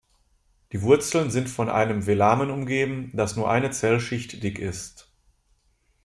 Die Wurzeln sind von einem Velamen umgeben, das nur eine Zellschicht dick ist.